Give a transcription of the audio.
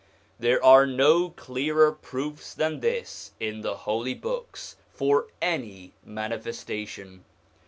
There are no clearer proofs than this in the Holy Books for any Manifestation.